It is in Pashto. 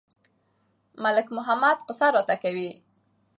ملک محمد قصه راته کوي.